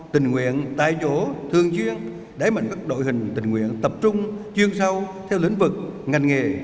tình nguyện tài chỗ thương chuyên đáy mạnh các đội hình tình nguyện tập trung chuyên sâu theo lĩnh vực ngành nghề